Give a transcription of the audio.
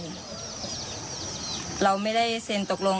แต่เราก็ไม่ได้ยอมรับอะไร